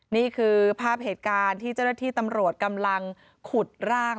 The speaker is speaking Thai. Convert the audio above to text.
นี่คือภาพเหตุการณ์ที่เจ้าหน้าที่ตำรวจกำลังขุดร่าง